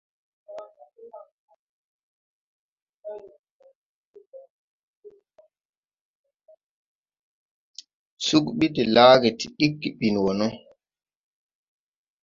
Sug ɓi de laage, ti ɗiggi ɓin wɔ no.